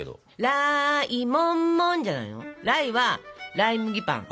ライはライ麦パン！